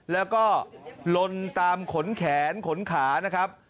แล้วก็ลนตามขนแขนขนขานะครับ